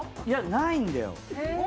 いやないんだよ。